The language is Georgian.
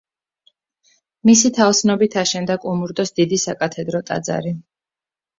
მისი თაოსნობით აშენდა კუმურდოს დიდი საკათედრო ტაძარი.